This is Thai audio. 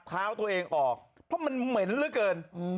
เท้าตัวเองออกเพราะมันเหม็นเหลือเกิน